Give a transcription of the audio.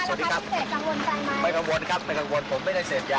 สวัสดีครับไม่กังวลครับไม่กังวลผมไม่ได้เสพยา